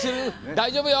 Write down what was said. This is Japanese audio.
大丈夫よ！